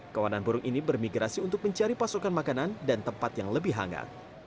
kawanan burung ini bermigrasi untuk mencari pasokan makanan dan tempat yang lebih hangat